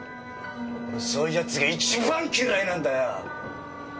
そういう奴が一番嫌いなんだよ！